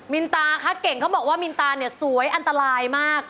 ินตาคะเก่งเขาบอกว่ามินตาเนี่ยสวยอันตรายมาก